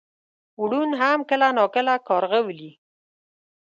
ړوند هم کله ناکله کارغه ولي .